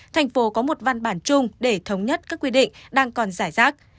thành phố có một văn bản chung để thống nhất các quy định đang còn giải rác